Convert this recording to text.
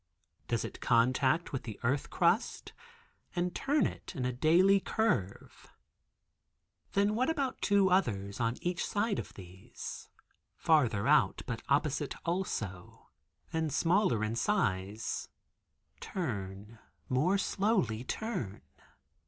Does it contact with the earth crust, and turn it in daily curve? Then what do two others, on each side of these, farther out, but opposite, also, and smaller in size, turn—more slowly turn?